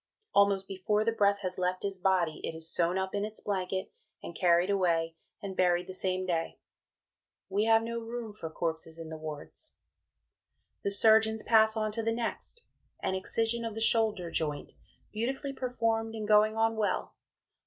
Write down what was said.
Almost before the breath has left his body it is sewn up in its blanket, and carried away and buried the same day. We have no room for Corpses in the Wards. The Surgeons pass on to the next, an excision of the shoulder joint, beautifully performed and going on well.